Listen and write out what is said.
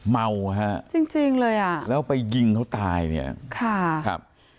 เมาครับแล้วไปยิงเขาตายนี่ครับจริงเลย